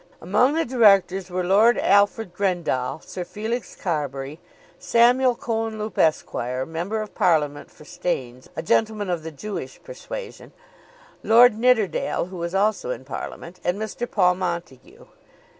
Among the directors were Lord Alfred Grendall, Sir Felix Carbury, Samuel Cohenlupe, Esq., Member of Parliament for Staines, a gentleman of the Jewish persuasion, Lord Nidderdale, who was also in Parliament, and Mr. Paul Montague.